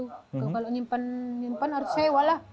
kalau menyimpan harus sewa lah